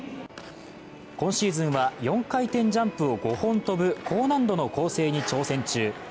今シーズンは４回転ジャンプを５本跳ぶ高難度の構成に挑戦中。